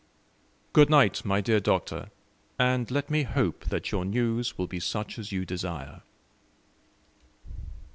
"Good night, my dear Doctor; and let me hope that your news will be such as you desire."